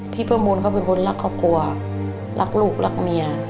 พี่ประมูลเขาเป็นคนรักครอบครัวรักลูกรักเมีย